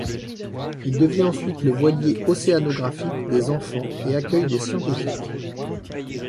Il devient ensuite le voilier océanographique des enfants et accueille des scientifiques.